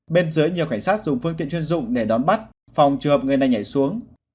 bên dưới nhiều cảnh sát dùng phương tiện chuyên dụng để đón bắt phòng trường hợp người này nhảy xuống